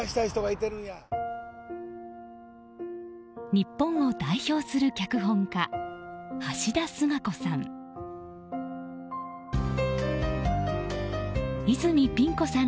日本を代表する脚本家橋田壽賀子さん。